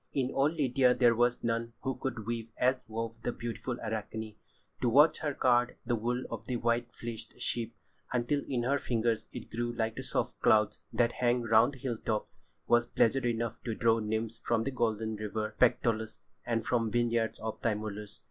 In all Lydia there was none who could weave as wove the beautiful Arachne. To watch her card the wool of the white fleeced sheep until in her fingers it grew like the soft clouds that hang round the hill tops, was pleasure enough to draw nymphs from the golden river Pactolus and from the vineyards of Tymolus.